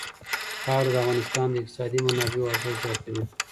خاوره د افغانستان د اقتصادي منابعو ارزښت زیاتوي.